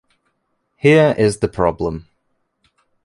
Here is the problem.